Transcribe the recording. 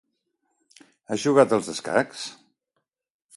Has jugat als escacs?